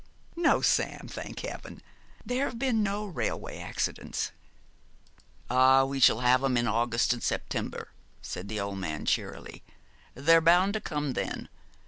'No, Sam, thank Heaven, there have been no railway accidents.' 'Ah, we shall have 'em in August and September,' said the old man, cheerily. 'They're bound to come then.